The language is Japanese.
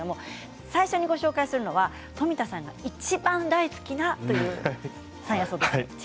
最初にご紹介するのは富田さんのいちばん大好きな山野草です。